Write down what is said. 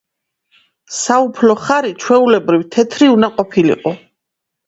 საუფლო ხარი ჩვეულებრივ თეთრი უნდა ყოფილიყო.